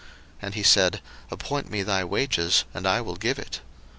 01:030:028 And he said, Appoint me thy wages, and I will give it.